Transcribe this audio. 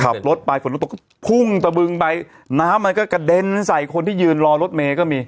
ขับรถไปฝนลูกตกก็พุ่งตะบึงไปน้ำมันก็กระเด็นใส่คนที่ยืนรอรถเมย์ก็มี